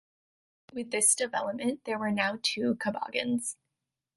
With this development, there were now two Cabagans.